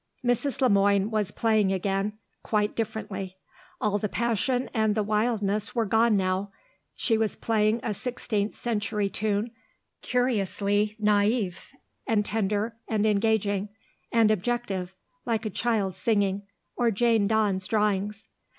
Mrs. Le Moine was playing again, quite differently; all the passion and the wildness were gone now; she was playing a sixteenth century tune, curiously naïf and tender and engaging, and objective, like a child's singing, or Jane Dawn's drawings.